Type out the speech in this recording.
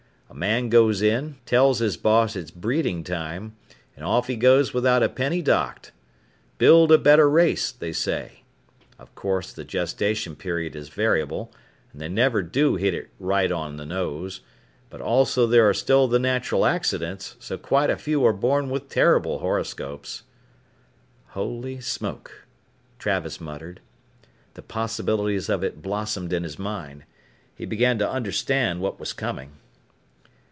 A man goes in, tells his boss it's breeding time, and off he goes without a penny docked. Build a better race, they say. Of course the gestation period is variable, and they never do hit it right on the nose, and also there are still the natural accidents, so quite a few are born with terrible horoscopes " "Holy smoke!" Travis muttered. The possibilities of it blossomed in his mind. He began to understand what was coming.